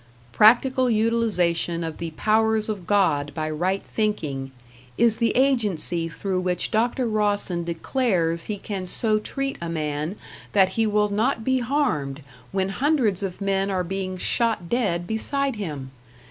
"Practical utilization of the powers of God by right thinking," is the agency through which Dr. Rawson declares he can so treat a man that he will not be harmed when hundreds of men are being shot dead beside him.